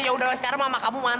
yaudah sekarang mama kamu mana